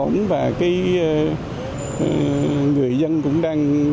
người dân cũng đang